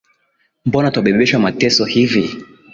Mbona twabebeshwa mateso hivi